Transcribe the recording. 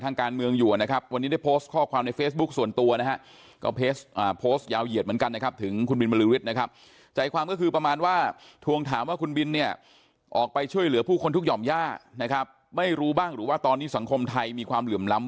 ผมคิดว่านี่แกกำลังปกป้องอีโก้ตัวเอง